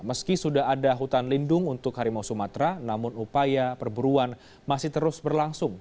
meski sudah ada hutan lindung untuk harimau sumatera namun upaya perburuan masih terus berlangsung